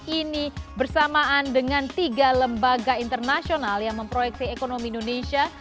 ini bersamaan dengan tiga lembaga internasional yang memproyeksi ekonomi indonesia